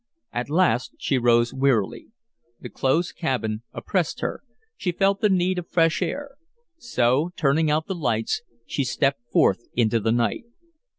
At last she rose wearily. The close cabin oppressed her; she felt the need of fresh air. So, turning out the lights, she stepped forth into the night.